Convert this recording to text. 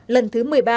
lần thứ một mươi ba